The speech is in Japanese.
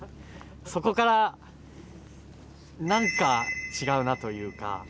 そこから何か違うなというか。